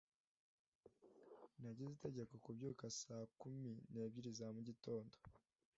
Nagize itegeko kubyuka saa kumi n'ebyiri za mugitondo.